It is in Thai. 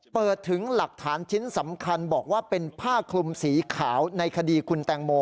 เปิดถึงหลักฐานชิ้นสำคัญบอกว่าเป็นผ้าคลุมสีขาวในคดีคุณแตงโม